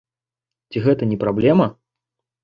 Ці гэта не праблема?